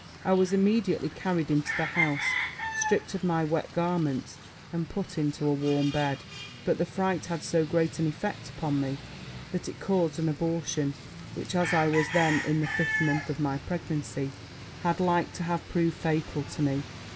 I was immediately carried into the house, stripped of my wet garments, and put into a warm bed: but the fright had so great an effect upon me, that it caused an abortion, which, as I was then in the fifth month of my pregnancy, had like to have proved fatal to me.